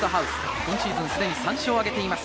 今シーズンすでに３勝を挙げています。